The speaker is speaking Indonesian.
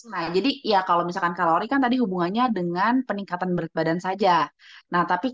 nah jadi ya kalau misalkan kalori kan tadi hubungannya dengan peningkatan berat badan saja